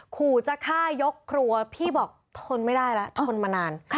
ขู่จะฆ่ายกครัวพี่บอกทนไม่ได้แล้วทนมานาน